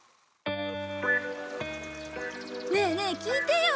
ねえねえ聞いてよ！